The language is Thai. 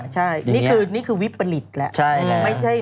ใช่นี่คือนี่คือวิประัฬิตแล้วใช่แล้ว